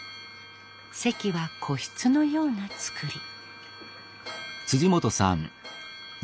席は個室のような造り。